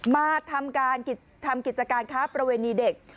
มาทำกิจการค้าประเวณีเด็ก